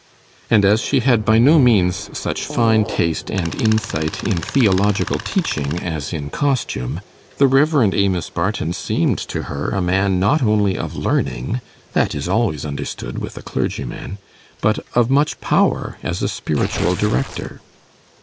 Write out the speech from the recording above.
And as she had by no means such fine taste and insight in theological teaching as in costume, the Rev. Amos Barton seemed to her a man not only of learning that is always understood with a clergyman but of much power as a spiritual director.